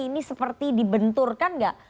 ini seperti dibenturkan gak